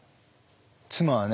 妻はね